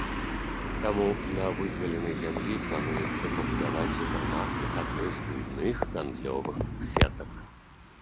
Таму на вызваленай зямлі плануецца пабудаваць супермаркет адной з буйных гандлёвых сетак.